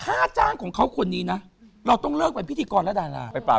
ฆ่าจ้างของเขาคนนี้นะเราต้องเลิกเป็นพิษณีย์กรแล้วได้หรอก